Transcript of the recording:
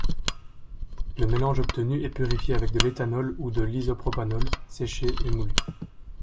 Le mélange obtenu est purifié avec de l'éthanol ou de l'isopropanol, séché et moulu.